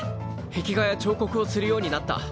壁画や彫刻をするようになった！